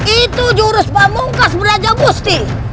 itu jurus pamungkas brajabusti